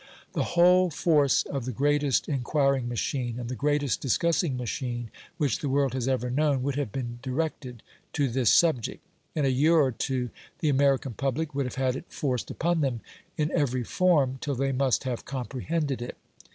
The whole force of the greatest inquiring machine and the greatest discussing machine which the world has ever known would have been directed to this subject. In a year or two the American public would have had it forced upon them in every form till they must have comprehended it.